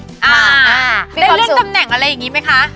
ได้เรื่องตำแหน่งอะไรอย่างนี้ไหมคะ